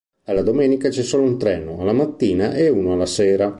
Alla domenica c'è solo un treno alla mattina e uno alla sera.